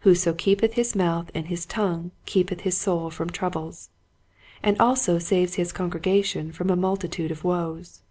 "Whoso keepeth his mouth and his tongue keepeth his soul from troubles," and also saves his congregation from a multitude of woes.